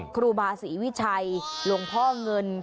ครูบาศรีวิชัยหลวงพ่อเงิน